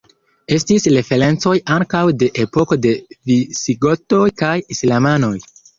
Estis referencoj ankaŭ de epoko de visigotoj kaj islamanoj.